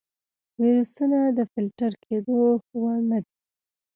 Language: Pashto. ویروسونه د فلتر کېدو وړ نه دي.